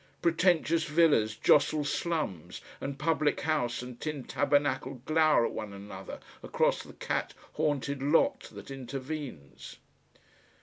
Pretentious villas jostle slums, and public house and tin tabernacle glower at one another across the cat haunted lot that intervenes.